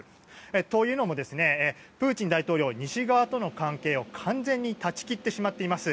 というのも、プーチン大統領西側との関係を完全に断ち切ってしまっています。